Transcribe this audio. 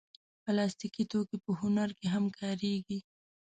پلاستيکي توکي په هنر کې هم کارېږي.